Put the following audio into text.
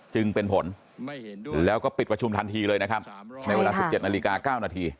จึงเป็นผลแล้วก็ปิดประชุมทันทีเลยนะครับในเวลา๑๗นาฬิกา๙นาที